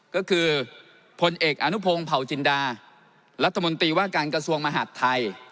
ก็คือพลเอกอนุพงศ์เผาจินดารัฐมนตรีว่าการกระทรวงมหาดไทย